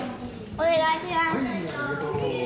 お願いします。